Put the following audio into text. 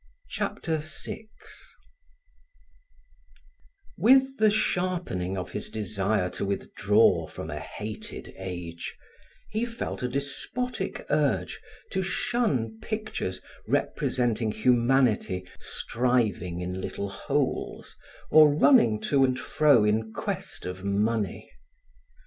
Chapter 6 With the sharpening of his desire to withdraw from a hated age, he felt a despotic urge to shun pictures representing humanity striving in little holes or running to and fro in quest of money.